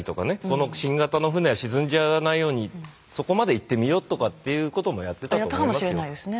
この新型の船が沈んじゃわないようにそこまで行ってみようとかっていうこともやってたと思いますよ。